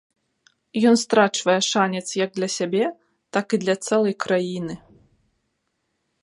Ён страчвае шанец як для сябе, так і для цэлай краіны.